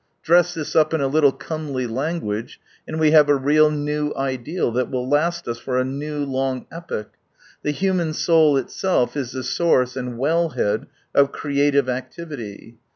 Dress this up in a little comely language, and we have a real new ideal, that will, last us for a new, long epoch. The human soul itself is the source and well head of creative activity.